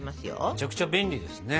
めちゃくちゃ便利ですね。